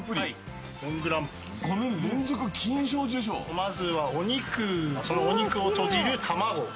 まずはお肉そのお肉をとじる卵。